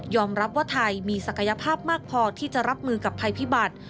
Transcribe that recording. รับว่าไทยมีศักยภาพมากพอที่จะรับมือกับภัยพิบัติ